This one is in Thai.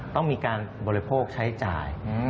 ต้องมีการบริโภคใช้จ่าย